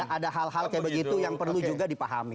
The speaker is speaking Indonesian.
ada hal hal kayak begitu yang perlu juga dipahami